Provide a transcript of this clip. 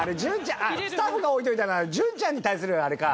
あれスタッフが置いといたのは潤ちゃんに対するあれか。